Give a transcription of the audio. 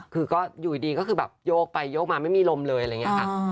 คือก็อยู่ดีคือยกไปยกมาไม่มีลมเลยเลยค่ะ